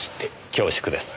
恐縮です。